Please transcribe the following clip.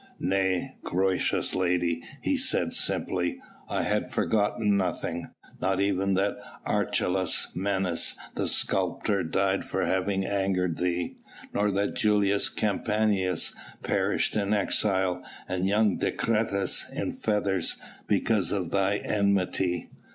"Nay, gracious lady," he said simply, "I had forgotten nothing. Not even that Archelaus Menas, the sculptor, died for having angered thee; nor that Julius Campanius perished in exile and young Decretas in fetters, because of thine enmity.